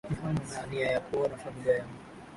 ni hamu na nia ya kuona familia yangu